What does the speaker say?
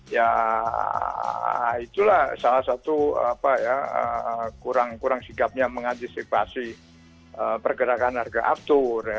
ya itulah salah satu kurang kurang sikapnya mengadistribusi pergerakan harga aftur